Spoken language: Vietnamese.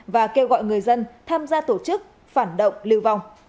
và kêu gọi người dân tham gia tổ chức phản động lưu vong